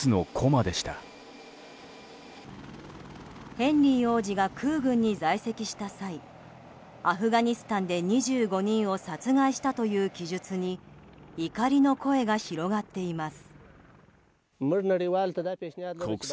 ヘンリー王子が空軍に在籍した際アフガニスタンで２５人を殺害したという記述に怒りの声が広がっています。